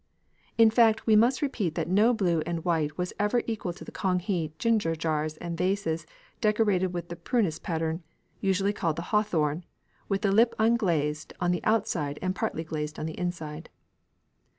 In fact, we must repeat that no blue and white was ever equal to the Kang he ginger jars and vases decorated with the prunus pattern, usually called the hawthorn, with the lip unglazed on the outside and partly glazed on the inside.